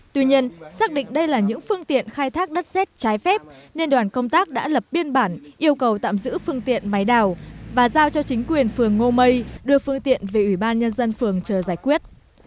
tuy nhiên xác định đây là những phương tiện khai thác đất xét trái phép nên đoàn công tác đã lập biên bản yêu cầu tạm giữ phương tiện máy đào và giao cho chính quyền phường ngô mây đưa phương tiện về ủy ban nhân dân phường chờ giải quyết